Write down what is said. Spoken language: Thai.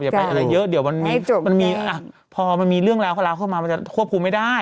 อย่าไปอะไรเยอะเดี๋ยวมันมีให้จบได้มันมีอ่ะพอมันมีเรื่องแล้วเขาล้าเข้ามามันจะควบคุมไม่ได้